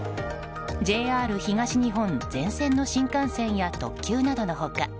ＪＲ東日本全線の新幹線や特急などの他